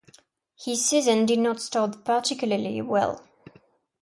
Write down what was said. His season did not start particularly well.